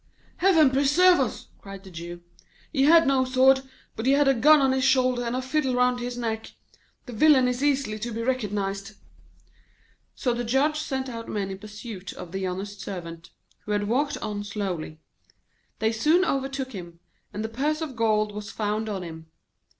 'Heaven preserve us!' cried the Jew, 'he had no sword, but he had a gun on his shoulder and a fiddle round his neck. The villain is easily to be recognised.' So the Judge sent out men in pursuit of the honest Servant, who had walked on slowly. They soon overtook him, and the purse of gold was found on him.